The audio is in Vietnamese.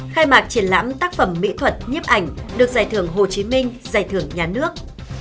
khai mạc triển lãm tác phẩm mỹ thuật nhiếp ảnh được giải thưởng hồ chí minh giải thưởng nhà nước